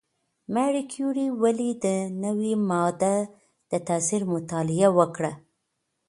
ماري کوري ولې د نوې ماده د تاثیر مطالعه وکړه؟